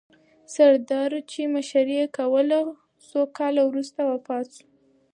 سردارو چې مشري یې کوله، څو کاله وروسته وفات سوه.